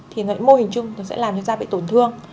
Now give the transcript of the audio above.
thì mô hình chung nó sẽ làm cho da bị tổn thương